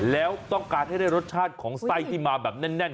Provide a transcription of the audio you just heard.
แล้วต้องการให้ได้รสชาติของไส้ที่มาแบบแน่น